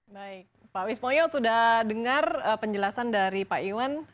baik pak wismoyo sudah dengar penjelasan dari pak iwan